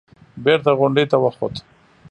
بېرته غونډۍ ته وخوت.